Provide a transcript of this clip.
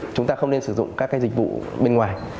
chúng ta không nên sử dụng các cái dịch vụ bên ngoài